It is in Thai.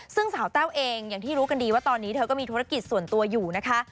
ซึ่งสาวแต้วเองอย่างที่รู้กันดีว่าตอนนี้เธอก็มีธุรกิจส่วนตัวอยู่นะคะ